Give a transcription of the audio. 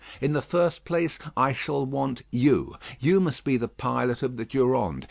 In the first place, I shall want you. You must be the pilot of the Durande.